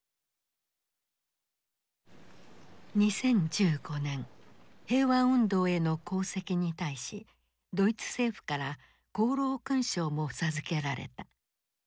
２０１５年平和運動への功績に対しドイツ政府から功労勲章も授けられた。